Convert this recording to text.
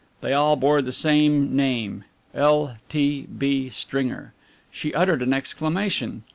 They all bore the same name, "L. T. B. Stringer." She uttered an exclamation.